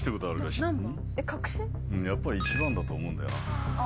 やっぱり１番だと思うんだよなあ